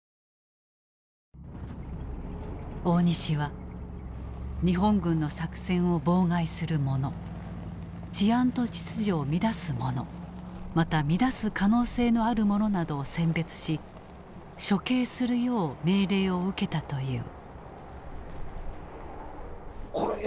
大西は日本軍の作戦を妨害する者治安と秩序を乱す者また乱す可能性のある者などを選別し処刑するよう命令を受けたという。